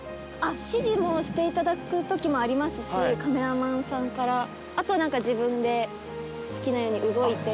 指示もしていただくときもありますしカメラマンさんからあとは自分で好きなように動いて。